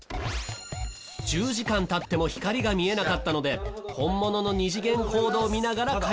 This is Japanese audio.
１０時間経っても光が見えなかったので本物の二次元コードを見ながら書いてもらう。